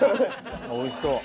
おいしそう。